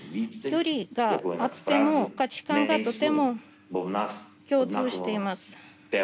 距離があっても価値観がとても共通しています。